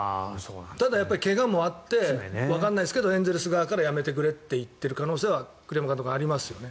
ただ、怪我もあってわからないですけどエンゼルス側からやめてくれと言っている可能性は栗山監督、ありますよね。